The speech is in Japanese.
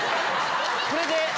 これで。